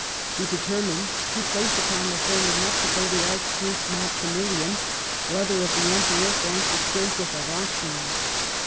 He determined to place upon the throne of Mexico the Archduke Maximilian, brother of the Emperor Francis Joseph of Austria.